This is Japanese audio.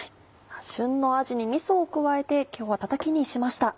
旬のあじにみそを加えて今日はたたきにしました。